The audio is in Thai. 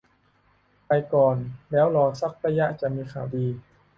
ไปก่อนแล้วรอสักระยะจะมีข่าวดี